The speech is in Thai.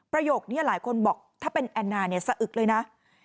ประโยคนี้หลายคนบอกถ้าเป็นแอนนาเนี่ยสะอึกเลยนะ